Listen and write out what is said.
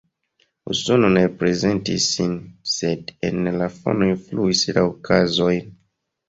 Usono ne reprezentis sin, sed en la fono influis la okazojn.